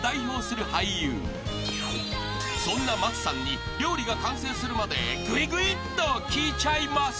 ［そんな松さんに料理が完成するまでぐいぐいっと聞いちゃいます］